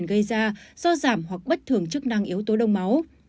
bệnh chảy máu di chuyển gây ra do giảm hoặc bất thường chức năng yếu tố đông máu